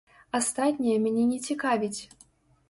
Астатняе мяне не цікавіць.